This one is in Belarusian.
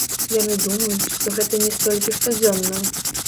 Яны думаюць, што гэта не столькі штодзённа.